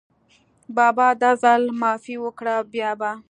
بابا دا ځل معافي وکړه، بیا به …